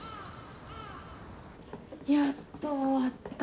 やっと終わった。